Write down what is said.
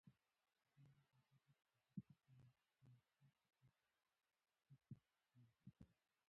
ماشومان د لوبو په ډګر کې تمرکز زده کوي.